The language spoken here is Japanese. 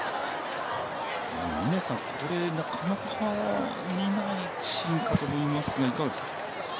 峰さん、これなかなか見ないシーンかと思いますがいかがですか？